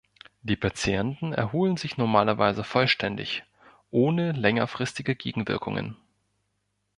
Die Patienten erholen sich normalerweise vollständig, ohne längerfristige Gegenwirkungen.